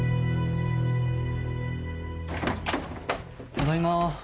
ただいま。